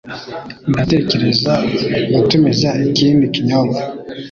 Ndatekereza gutumiza ikindi kinyobwa